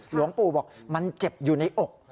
หลวงปู่บอกมันเจ็บอยู่ในอก